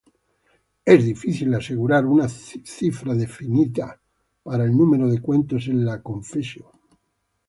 Es difícil asegurar una cifra definida para el número de cuentos en la "Confessio".